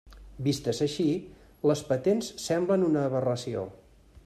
Vistes així, les patents semblen una aberració.